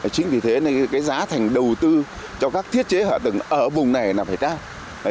chính vì thế giá thành đầu tư cho các thiết chế ở vùng này là phải cao